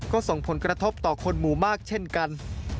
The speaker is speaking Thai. ก็ส่งผลกระทบต่อคนหมู่มากเช่นกัน